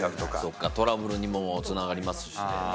そっかトラブルにもつながりますしね。